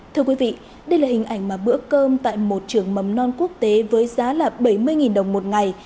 thưa quý vị đây là hình ảnh mà bữa cơm tại một trường mầm non quốc tế với giá là bảy mươi đồng một ngày